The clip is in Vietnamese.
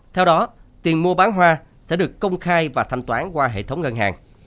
theo đó tiền mua bán hoa sẽ được công khai và thanh toán qua hệ thống ngân hàng